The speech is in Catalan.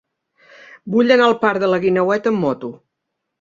Vull anar al parc de la Guineueta amb moto.